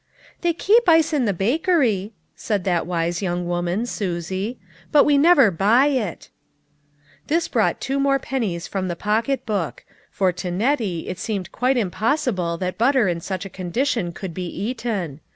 "They keep ice at the bakery," said that wise young woman, Susie, "but we never buy it." This brought two more pennies from the pocketbook ; for to Nettie it seemed quite im possible that butter in such a condition could be eaten.